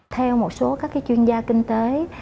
theo một số các chuyên gia kinh tế